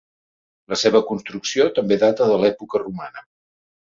La seva construcció també data de l'època romana.